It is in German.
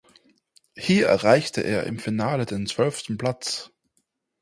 Hier erreichte er im Finale den zwölften Platz.